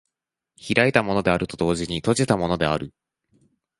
開いたものであると同時に閉じたものである。